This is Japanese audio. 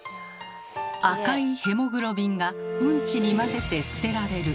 赤いヘモグロビンがうんちに混ぜて捨てられる。